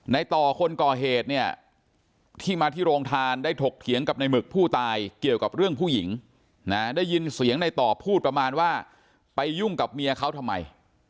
ต่อคนก่อเหตุเนี่ยที่มาที่โรงทานได้ถกเถียงกับในหมึกผู้ตายเกี่ยวกับเรื่องผู้หญิงนะได้ยินเสียงในต่อพูดประมาณว่าไปยุ่งกับเมียเขาทำไม